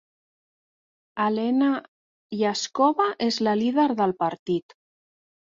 Alena Yaskova és la líder del partit.